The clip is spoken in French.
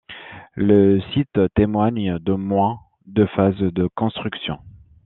Le site témoigne d'au moins deux phases de construction.